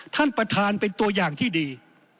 ท่านประธานเป็นตัวอย่างที่ดี